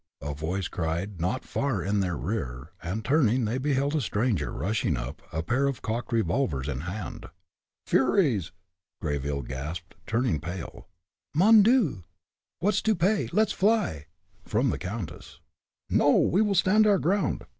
a voice cried, not far in their rear, and turning, they beheld a stranger rushing up, a pair of cocked revolvers in hand. "Furies!" Greyville gasped, turning pale. "Mon Dieu! what's to pay? Let's fly!" from the countess. "No! we will stand our ground!"